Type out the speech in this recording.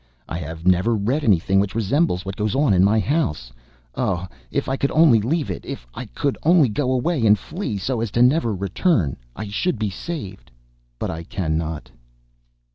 I have never read anything which resembles what goes on in my house. Oh! If I could only leave it, if I could only go away and flee, so as never to return, I should be saved; but I cannot.